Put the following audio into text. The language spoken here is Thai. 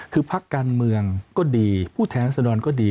คือพักการเมืองก็ดีผู้แทนรัศดรก็ดี